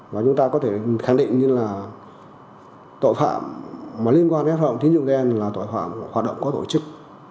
và chúng ta có thể khẳng định như là tội phạm mà liên quan đến hoạt động tín dụng đen là tội phạm hoạt động có tổ chức